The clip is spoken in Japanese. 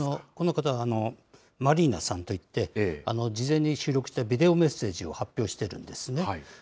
この方、マリーナさんといって、事前に収録したビデオメッセージを発表してたんですね。